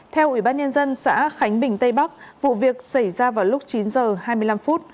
theo ubnd xã khánh bình tây bắc vụ việc xảy ra vào lúc chín h hai mươi năm